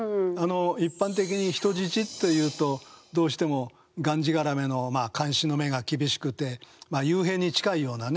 一般的に人質というとどうしてもがんじがらめの監視の目が厳しくて幽閉に近いようなね